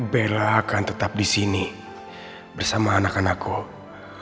bella akan tetap di sini bersama anak anak saya